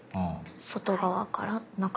外側から中か。